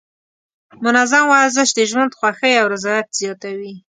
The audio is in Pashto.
منظم ورزش د ژوند خوښۍ او رضایت زیاتوي.